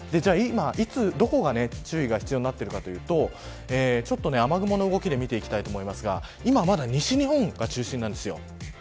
いつどこが注意が必要なるかというと雨雲の動きで見ていきたいと思いますが今はまだ西日本が中心なんですよ。